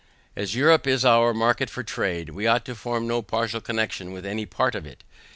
As Europe is our market for trade, we ought to form no partial connection with any part of it.